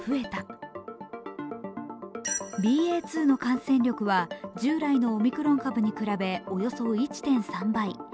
ＢＡ．２の感染力は従来のオミクロン株に比べおよそ１．３倍。